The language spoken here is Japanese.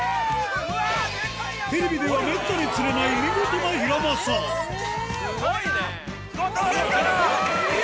テレビではめったに釣れない見事なヒラマサスゴいね！